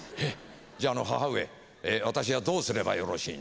じゃあ義母上私はどうすればよろしいんで？